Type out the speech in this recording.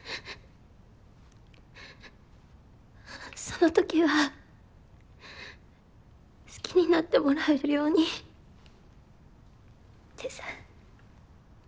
そのときは好きになってもらえるようにってさ。